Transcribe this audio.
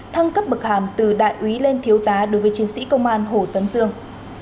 thăng cấp bậc hàm từ đại úy lên thiếu tá đối với chiến sĩ công an hồ tấn dương